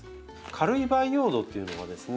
軽い培養土というのはですね